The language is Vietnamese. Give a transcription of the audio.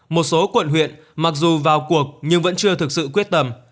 một số quận huyện mặc dù vào cuộc nhưng vẫn chưa thực sự quyết tâm